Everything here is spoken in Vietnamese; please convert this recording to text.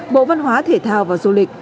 bộ văn hóa thể thao và du lịch